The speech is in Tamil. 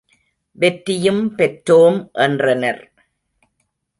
வெற்றியும் பெற்றோம் என்றனர்.